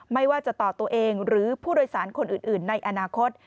ไม่ว่าจะต่อตัวเองหรือผู้โดยสารคนอื่นในอนาคต